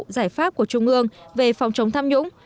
giải pháp của trung ương về phòng chống tham nhũng